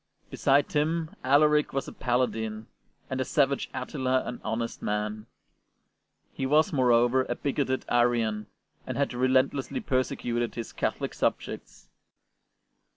Beside him Alaric was a paladin, and the savage Attila an honest man. He was, moreover, a bigoted Arian, and had relentlessly perse cuted his Catholic subjects.